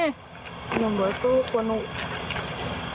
หน่วยสู้กั้อนุก